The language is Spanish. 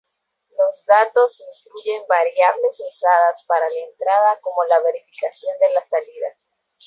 Los datos incluyen variables usadas para la entrada como la verificación de la salida.